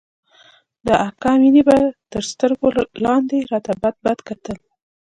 د اکا مينې به تر سترگو لاندې راته بدبد کتل.